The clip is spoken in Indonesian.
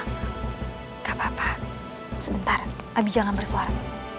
gak apa apa sebentar abi jangan bersuara